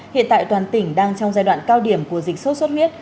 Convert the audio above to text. hiện tại toàn tỉnh đang trong giai đoạn cao điểm của dịch sốt xuất huyết